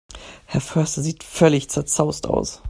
Herr Förster sieht völlig zerzaust aus.